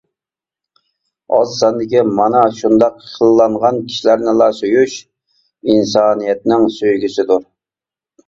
ئاز ساندىكى مانا شۇنداق خىللانغان كىشىلەرنىلا سۆيۈش، ئىنسانىيەتنىڭ سۆيگۈسىدۇر.